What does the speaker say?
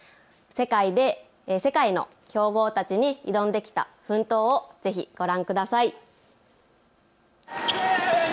世界の強豪たちに挑んできた奮闘をぜひご覧ください。